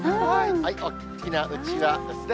大きなうちわですね。